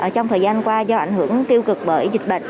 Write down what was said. trong thời gian qua do ảnh hưởng tiêu cực bởi dịch bệnh